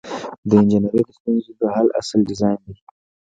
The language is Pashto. د انجنیری د ستونزو د حل اصل ډیزاین دی.